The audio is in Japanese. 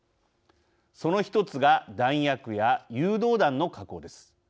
その一つが弾薬や誘導弾の確保です。